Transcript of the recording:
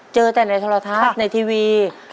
เจอแต่ในโทรทัศน์ในทีวี